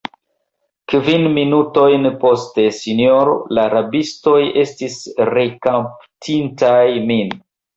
Kvin minutojn poste, sinjoro, la rabistoj estis rekaptintaj min.